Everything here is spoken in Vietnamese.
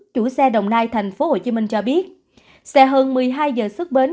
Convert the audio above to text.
chủ xe đồng nai tp hcm cho biết xe hơn một mươi hai giờ xuất bến